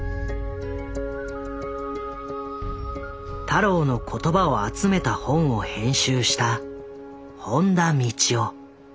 太郎の言葉を集めた本を編集した本田道生。